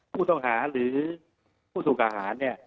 ผู้ต้องหาหรือผู้ถูกกล่าหาเนี่ย